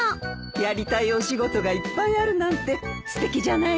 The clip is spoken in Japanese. やりたいお仕事がいっぱいあるなんてすてきじゃないの。